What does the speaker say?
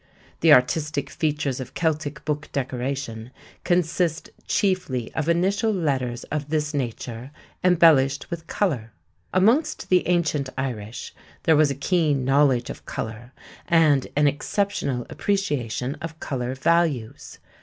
The artistic features of Celtic book decoration consist chiefly of initial letters of this nature embellished with color. Amongst the ancient Irish there was a keen knowledge of color and an exceptional appreciation of color values.